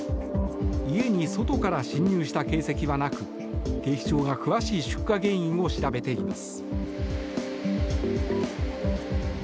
家に外から侵入した形跡はなく警視庁が詳しい出火原因を調べています。